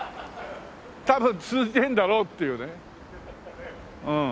多分続いてるんだろうっていうねうん。